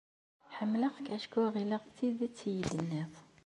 Ḥemmleɣ-k acku ɣileɣ d tidet i iyi-d-tenniḍ.